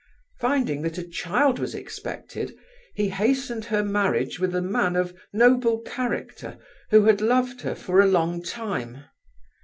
Finding that a child was expected, he hastened her marriage with a man of noble character who had loved her for a long time.